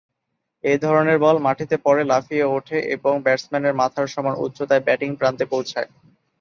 এ ধরনের বল মাটিতে পড়ে লাফিয়ে ওঠে এবং ব্যাটসম্যানের মাথার সমান উচ্চতায় ব্যাটিং প্রান্তে পৌঁছায়।